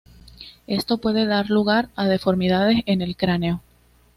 Esto puede dar lugar a deformidades en el cráneo.